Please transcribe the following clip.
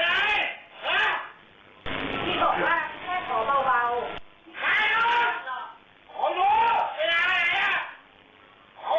ก้าดูข้ารู้เป็นอะไร